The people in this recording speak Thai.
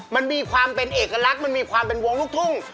มันมีความเป็นเอกลักษณ์มันมีความเป็นวงลูกทุ่ง